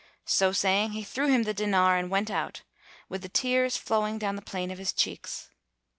So saying, he threw him the dinar and went out, with the tears flowing down the plain of his cheeks.